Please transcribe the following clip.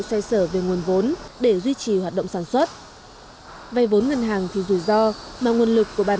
xoay sở về nguồn vốn để duy trì hoạt động sản xuất về vốn ngân hàng thì dù do mà nguồn lực của bản